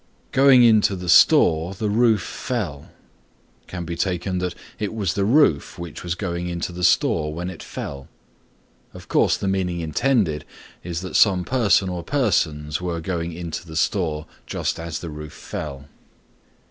"Going into the store the roof fell" can be taken that it was the roof which was going into the store when it fell. Of course the meaning intended is that some person or persons were going into the store just as the roof fell.